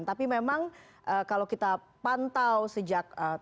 tapi memang kalau kita pantau sejak